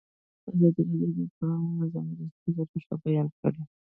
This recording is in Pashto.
ازادي راډیو د بانکي نظام د ستونزو رېښه بیان کړې.